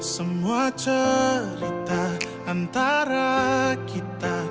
semua cerita antara kita